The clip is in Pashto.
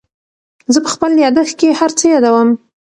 زه په خپل یادښت کې هر څه یادوم.